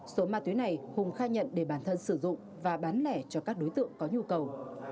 số ma túy này hùng khai nhận để bản thân sử dụng và bán lẻ cho các đối tượng có nhu cầu